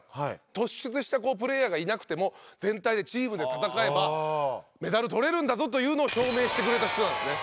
突出したプレーヤーがいなくても全体でチームで戦えばメダルとれるんだぞというのを証明してくれた人なんですね。